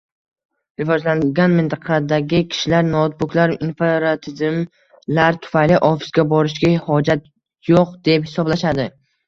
Rivojlangan mintaqadagi kishilar noutbuklar, infratizimlar tufayli ofisga borishga hojat yoʻq, deb hisoblashadi.